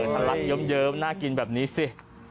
ทะลักเยิ้มน่ากินแบบนี้สิ